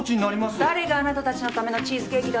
誰があなたたちのためのチーズケーキだって言った？